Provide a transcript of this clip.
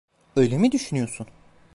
Öyle mi düşünüyorsun?